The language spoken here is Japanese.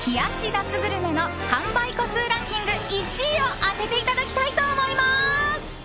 夏グルメの販売個数ランキング１位を当てていただきたいと思います。